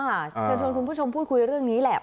เชิญชวนคุณผู้ชมพูดคุยเรื่องนี้แหละ